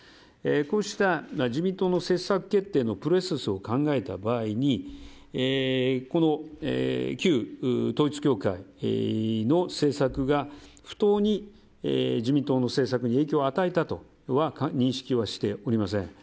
こうした自民党の政策決定のプロセスを考えた場合に旧統一教会の政策が不当に自民党の政策に影響を与えたとは認識はしておりません。